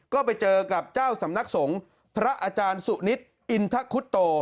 ก็ไปเจอกับเจ้าสำนักสงฆ์พระอาจารย์สุนิตอินทะคุตโต